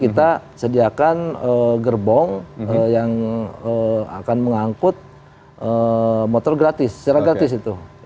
kita sediakan gerbong yang akan mengangkut motor gratis secara gratis itu